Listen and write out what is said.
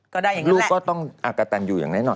ก็ได้อย่างนั้นแหละลูกก็ต้องกระตันอยู่อย่างแน่นอน